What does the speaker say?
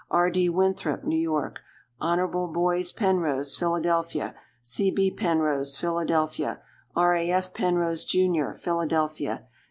R. D. Winthrop, New York. Hon. Boies Penrose, Philadelphia. C. B. Penrose, Philadelphia. R. A. F. Penrose, Jr., Philadelphia.